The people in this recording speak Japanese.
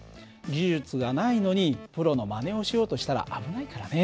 技術がないのにプロのまねをしようとしたら危ないからね。